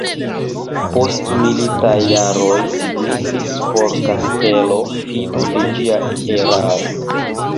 Postmilitaj jaroj signifis por kastelo fino de ĝia erao.